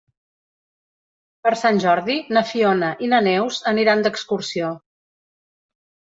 Per Sant Jordi na Fiona i na Neus aniran d'excursió.